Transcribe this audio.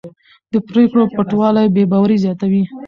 د پرېکړو پټوالی بې باوري زیاتوي